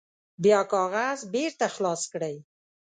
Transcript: بیا کاغذ بیرته خلاص کړئ.